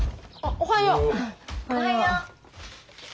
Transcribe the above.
おはよう。